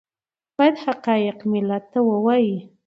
باید حقایق ملت ته ووایي